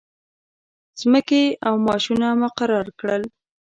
مځکې او معاشونه مقرر کړل.